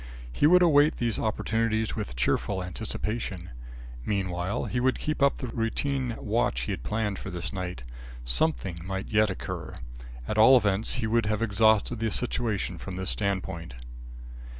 He would await these opportunities with cheerful anticipation. Meanwhile, he would keep up the routine watch he had planned for this night. Something might yet occur. At all events he would have exhausted the situation from this standpoint.